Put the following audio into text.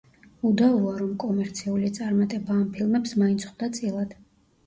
უდავოა, რომ კომერციული წარმატება ამ ფილმებს მაინც ხვდა წილად.